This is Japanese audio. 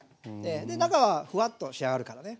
で中はふわっと仕上がるからね。